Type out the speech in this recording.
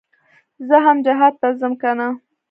زه هم جهاد ته ځم کنه.